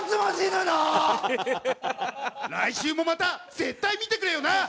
「来週もまた絶対見てくれよな！」